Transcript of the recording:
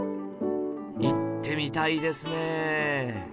行ってみたいですねえ